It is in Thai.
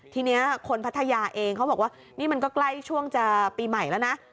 ทีนี้คนพัทยาเองเขาบอกว่านี่มันก็ใกล้ช่วงจะปีใหม่แล้วนะ